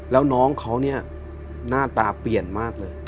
แล้วน้องเขาเนี่ยหน้าตาเปลี่ยนมากเลย